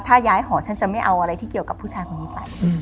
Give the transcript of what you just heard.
ถ้าย้ายหอฉันจะไม่เอาอะไรที่เกี่ยวกับผู้ชายคนนี้ไป